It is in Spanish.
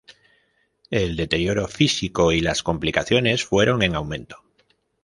El deterioro físico y las complicaciones fueron en aumento.